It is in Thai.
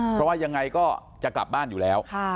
เพราะว่ายังไงก็จะกลับบ้านอยู่แล้ว